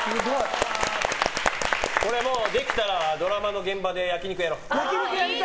これできたらドラマの現場で焼き肉やろう。